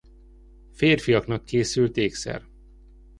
Férfiaknak készült ékszer.